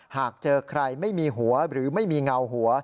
หากเจอใครไม่มีหัวหรือไม่มีเงาหัว